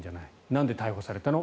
なんで逮捕されたの？